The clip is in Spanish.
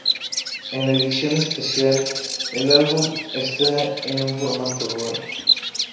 En la edición especial, el álbum está en un formato dual.